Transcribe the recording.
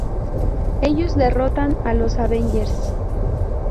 Ellos derrotan a los Avengers.